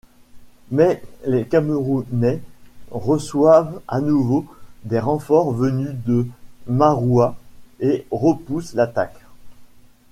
Mais les Camerounais reçoivent à nouveau des renforts venus de Maroua et repoussent l'attaque.